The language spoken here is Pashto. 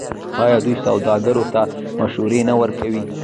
آیا دوی سوداګرو ته مشورې نه ورکوي؟